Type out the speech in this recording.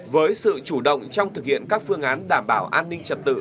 với sự chủ động trong thực hiện các phương án đảm bảo an ninh trật tự